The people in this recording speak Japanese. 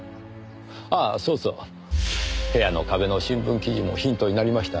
ああそうそう部屋の壁の新聞記事もヒントになりました。